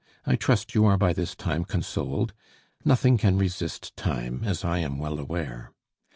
I trust you are by this time consoled. Nothing can resist time, as I am well aware.